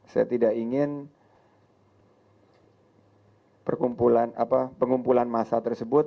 saya tidak ingin pengumpulan masa tersebut akan berakibat sampah yang berserakan